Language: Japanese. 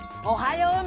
おはよう！